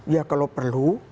ya kalau perlu